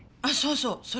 あっそうそう。